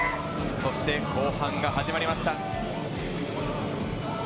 そして後半が始まりました。